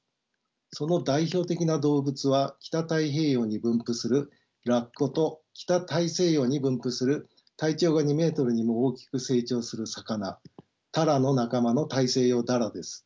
その代表的な動物は北太平洋に分布するラッコと北大西洋に分布する体長が２ｍにも大きく成長する魚タラの仲間のタイセイヨウダラです。